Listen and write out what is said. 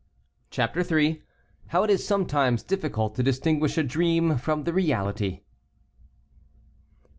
CHAPTER III. HOW IT IS SOMETIMES DIFFICULT TO DISTINGUISH A DREAM FROM THE REALITY.